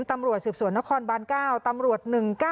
ตำรวจสืบสวนนครบาน๙ตำรวจ๑๙